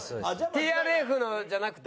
ＴＲＦのじゃなくて？